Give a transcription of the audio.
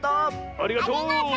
ありがとう！